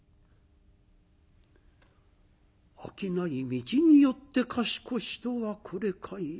「『商い道によって賢し』とはこれかいや。